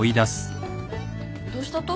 どうしたと？